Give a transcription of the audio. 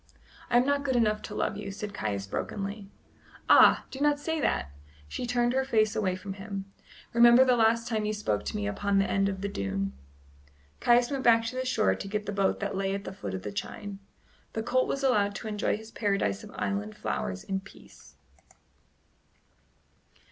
"I am not good enough to love you," said Caius brokenly. "Ah! do not say that" she turned her face away from him "remember the last time you spoke to me upon the end of the dune." Caius went back to the shore to get the boat that lay at the foot of the chine. The colt was allowed to enjoy his paradise of island flowers in peace.